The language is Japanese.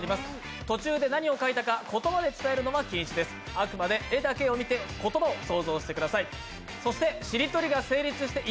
あくまで絵だけを見て言葉を想像してください。